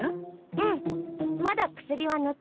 うんまだ薬はぬってるけどね。